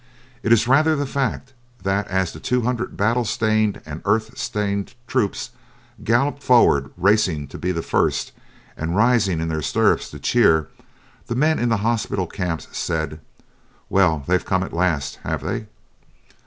It is rather the fact that as the two hundred battle stained and earth stained troopers galloped forward, racing to be the first, and rising in their stirrups to cheer, the men in the hospital camps said, "Well, they're come at last, have they?"